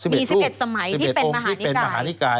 มี๑๑สมัยที่เป็นมหานิกาย